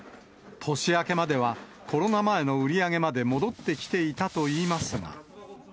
年明けまではコロナ前の売り上げまで戻ってきていたといいますが。